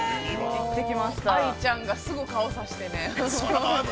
◆愛ちゃんがすぐ顔をさしてね。